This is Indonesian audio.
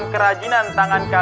kok bisa tau ya